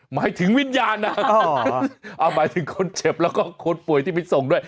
หมายถึงวิญญาณนะเอาหมายถึงคนเจ็บแล้วก็คนป่วยที่ไปส่งด้วย